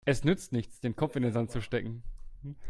Es nützt nichts, den Kopf in den Sand zu stecken.